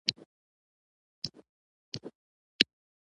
حق او انصاف دا دی چې دا کار مخکې چا نه دی کړی.